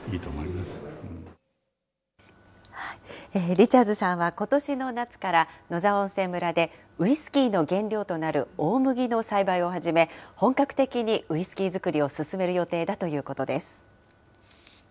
リチャーズさんは、ことしの夏から、野沢温泉村でウイスキーの原料となる大麦の栽培を始め、本格的にウイスキー造りを進める予定だということです。